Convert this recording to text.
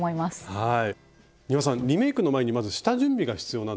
はい。